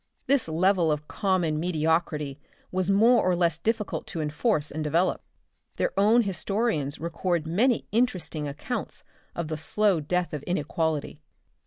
This level of a common mediocrity was more or less difficult to inforce and develop. Their own \ historians record many interesting accounts of the slow death of inequality.